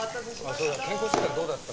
そうだ健康診断どうだった。